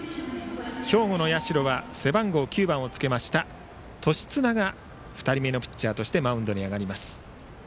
兵庫の社は背番号９番をつけた年綱が２人目のピッチャーとしてマウンドに上がります。